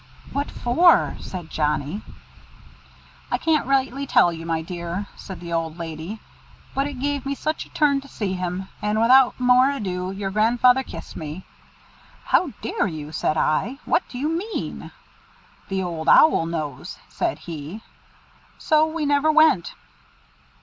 "What for?" said Johnnie. "I can't rightly tell you, my dear," said the old lady, "but it gave me such a turn to see him. And without more ado your grandfather kissed me. 'How dare you?' said I. 'What do you mean?' 'The Old Owl knows,' said he. So we never went."